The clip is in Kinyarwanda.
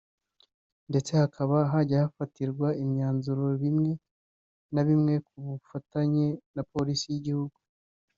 ndetse hakaba hajya hanafatirwa imyanzuro bimwe na bimwe ku bufatanye na polisi y’igihugu